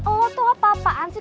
oh tuh apa apaan sih